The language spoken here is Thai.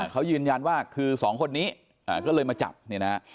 เขายืนยันว่าคือสองคนนี้ก็เลยมาจับเนี่ยนะฮะ